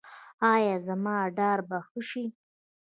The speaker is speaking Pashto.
ایا زما ډار به ښه شي؟